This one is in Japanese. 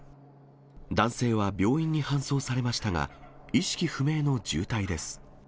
男性は病院に搬送されましたが、意識不明の重体です。